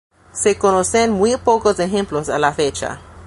Se conocen muy pocos ejemplos a la fecha.